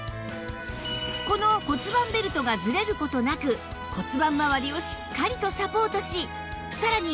この骨盤ベルトがずれる事なく骨盤まわりをしっかりとサポートしさらに